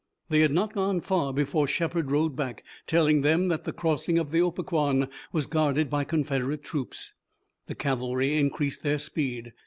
They had not gone far before Shepard rode back telling them that the crossing of the Opequan was guarded by Confederate troops. The cavalry increased their speed.